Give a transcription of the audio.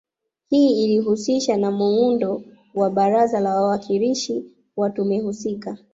Hii ilihusisha na muundo wa Baraza la Wawakilishi wa tume husika